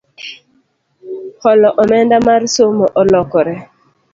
Holo omenda mar somo olokore